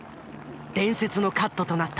伝説のカットとなった。